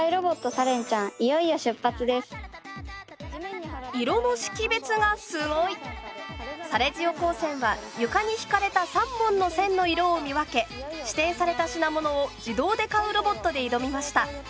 サレジオ高専は床に引かれた３本の線の色を見分け指定された品物を自動で買うロボットで挑みました。